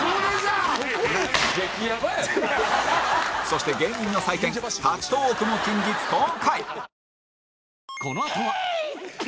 そして芸人の祭典立ちトーークも近日公開！